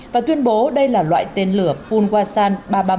và tuyên bố đây là loại tên lửa pomwasan ba trăm ba mươi một